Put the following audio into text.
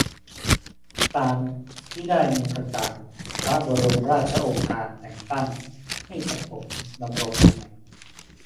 ตามที่ได้มีประกาศพระบรมราชโองการแต่งตั้งให้กระผมดำรงตำแหน่ง